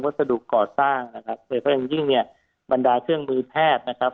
สดุก่อสร้างนะครับโดยเพราะอย่างยิ่งเนี่ยบรรดาเครื่องมือแพทย์นะครับ